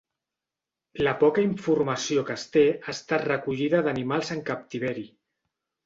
La poca informació que es té, ha estat recollida d'animals en captiveri.